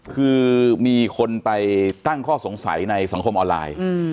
คือมีคนไปตั้งข้อสงสัยในสังคมออนไลน์